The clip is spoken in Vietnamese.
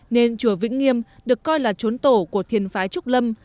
nên chùa vĩnh nghiêm được coi là trốn tổ của thiền phái trúc lâm